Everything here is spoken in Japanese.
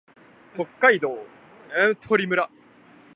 北海道蘂取村